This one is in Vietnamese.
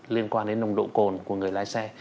liên quan đến nồng độ cồn của người lái xe